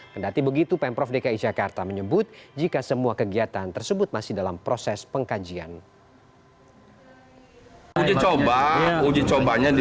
kendati begitu pemprov dki jakarta menyebut jika semua kegiatan tersebut masih dalam proses pengkajian